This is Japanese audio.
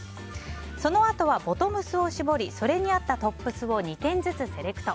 その後は、ボトムスを絞りそれに合ったトップスを２点ずつセレクト。